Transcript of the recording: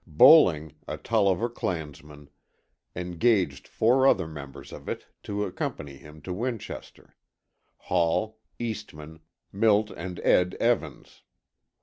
Bowling, a Tolliver clansman, engaged four other members of it to accompany him to Winchester, Hall, Eastman, Milt and Ed Evans.